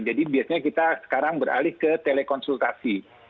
jadi biasanya kita sekarang beralih ke telekonsultasi